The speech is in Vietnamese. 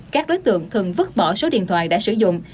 các đối tượng thường vứt bỏ số điện thoại đã sử dụng